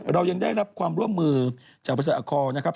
เรายังได้รับความร่วมมือจากบริษัทอาคอลนะครับ